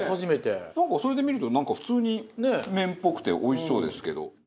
なんかそれで見るとなんか普通に麺っぽくておいしそうですけど。